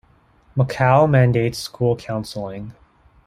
Macau mandates school counseling.